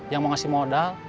yang mau ngasih modal